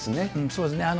そうですね。